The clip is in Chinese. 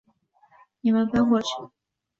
你们搬过去